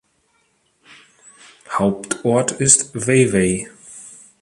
Hauptort ist Vevey.